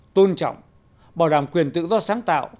tôn trọng bảo đảm quyền tự do sáng tạo